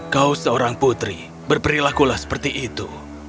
kau seorang putri berperilah kula seperti itu